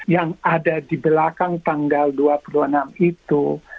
yang ada di belakang tanggal dua puluh enam itu